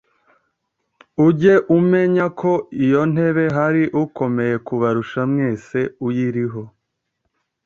ujye umenya ko iyo ntebe hari ukomeye kubarusha mwese uyiriho